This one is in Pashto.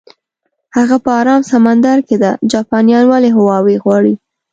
هغه په ارام سمندر کې ده، جاپانیان ولې هاوایي غواړي؟